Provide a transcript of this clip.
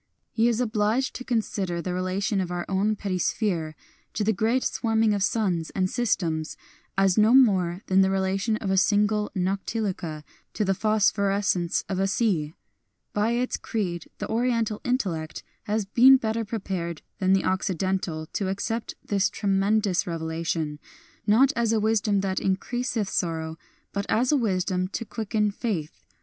He is obliged to consider the relation of our own petty sphere to the great swarming of suns and systems as no more than the relation of a single noctiluca to the phosphorescence of a sea. By its creed the Oriental intellect has been better prepared than the Occidental to accept this tremendous revelation, not as a wisdom that increaseth sorrow, but as a wisdom to quicken faith.